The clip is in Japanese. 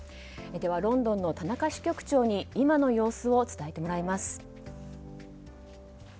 ではロンドンの田中支局長に今の様子を伝えてもらいます。